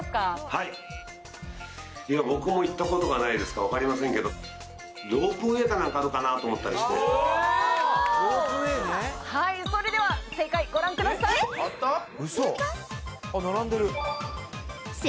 はいいや僕も行ったことがないですから分かりませんけどロープウェイか何かあるかなと思ったりしてロープウェイねはいそれでは正解ご覧くださいっ